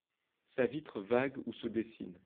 Sa vitre vague où se dessine